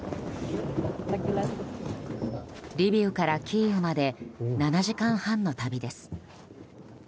リビウからキーウまで７時間半の旅です。